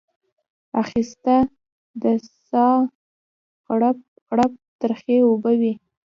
اخیسته د ساه غړپ غړپ ترخې اوبه وې